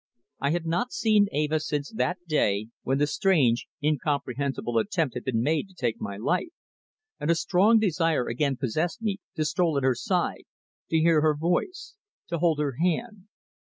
I had not seen Eva since that day when the strange, incomprehensible attempt had been made to take my life, and a strong desire again possessed me to stroll at her side, to hear her voice, to hold her hand.